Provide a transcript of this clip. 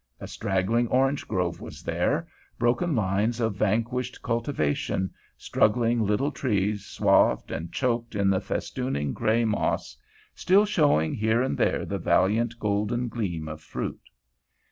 A straggling orange grove was here, broken lines of vanquished cultivation, struggling little trees swathed and choked in the festooning gray moss, still showing here and there the valiant golden gleam of fruit.